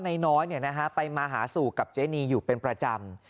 นายน้อยไปมาหาสู่กับเจนีอยู่เป็นประจำ